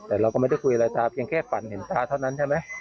แต่เราก็ไม่ได้คุยอะไรตาเพียงแค่ฝันเห็นตาเท่านั้นใช่ไหม